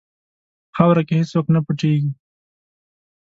په خاوره کې هېڅ څوک نه پټیږي.